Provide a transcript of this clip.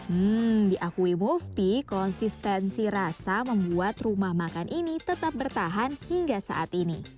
hmm diakui mufti konsistensi rasa membuat rumah makan ini tetap bertahan hingga saat ini